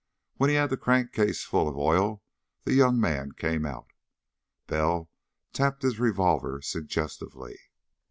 When he had the crankcase full of oil the young man came out. Bell tapped his revolver suggestively.